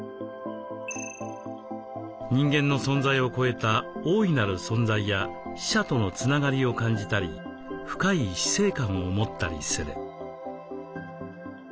人間の存在を超えた大いなる存在や死者とのつながりを感じたり深い死生観を持ったりする。